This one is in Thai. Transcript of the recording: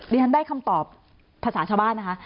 ดิฉันได้คำตอบภาษาชาวบ้านนะคะ